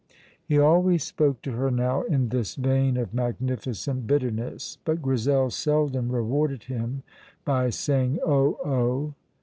'" He always spoke to her now in this vein of magnificent bitterness, but Grizel seldom rewarded him by crying, "Oh, oh!"